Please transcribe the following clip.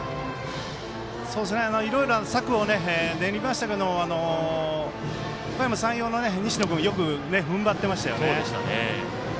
いろいろ策を練りましたけどおかやま山陽の西野君よくふんばってましたよね。